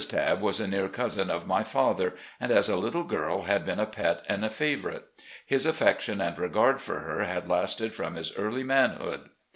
Tabb was a near cousin of my father, and as a little girl had been a pet and favomite. His affection and regard for her had lasted from his early man hood.